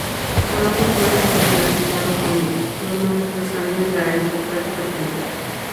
Por ambos padres estaba relacionado con los más altos escalones de la aristocracia británica.